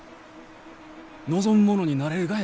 望む者になれるがやき！